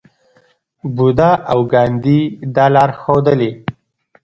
بودا او ګاندي دا لار ښودلې.